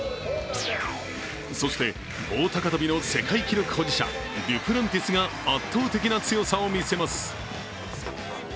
そして、棒高跳びの世界記録保持者デュプランティスが圧倒的な強さを見せます。